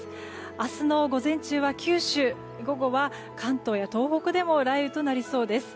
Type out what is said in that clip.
明日の午前中は九州午後は関東や東北でも雷雨となりそうです。